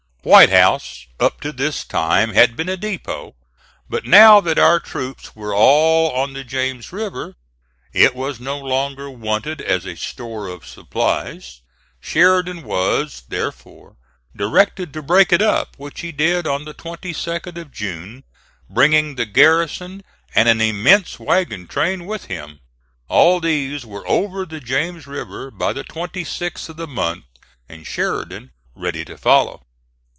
White House up to this time had been a depot; but now that our troops were all on the James River, it was no longer wanted as a store of supplies. Sheridan was, therefore, directed to break it up; which he did on the 22d of June, bringing the garrison and an immense wagon train with him. All these were over the James River by the 26th of the month, and Sheridan ready to follow.